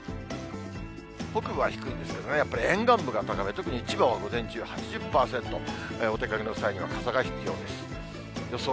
北部は低いんですけどね、やっぱり沿岸部が高め、特に千葉は午前中８０％、お出かけの際には、傘が必要です。